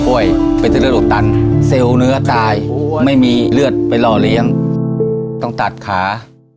ไปเส้นเลือดอุดตันเซลล์เนื้อตายไม่มีเลือดไปหล่อเลี้ยงต้องตัดขา